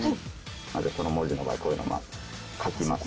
この文字の場合こういうのを書きます。